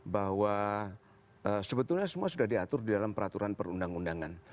bahwa sebetulnya semua sudah diatur di dalam peraturan perundang undangan